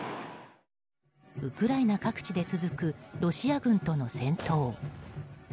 ウクライナ各地で続くロシア軍との戦闘。